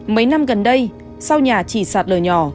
mấy năm gần đây sau nhà chỉ sạt lở nhỏ